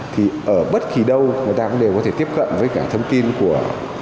thì ở bất kỳ đâu người ta cũng đều có thể tiếp cận với cả thông tin của